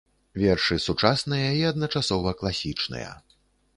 Вершы сучасныя і адначасова класічныя.